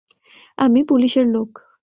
আমি পুলিশের লোক।